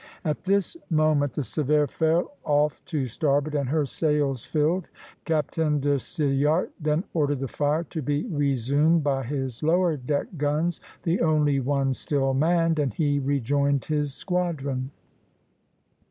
At this moment the 'Sévère' fell off to starboard and her sails filled; Captain de Cillart then ordered the fire to be resumed by his lower deck guns, the only ones still manned, and he rejoined his squadron."